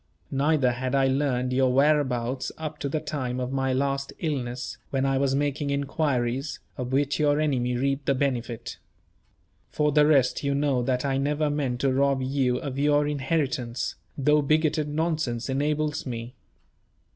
Neither had I learned your whereabouts up to the time of my last illness, when I was making inquiries, of which your enemy reaped the benefit. For the rest, you know that I never meant to rob you of your inheritance, though bigoted nonsense enables me.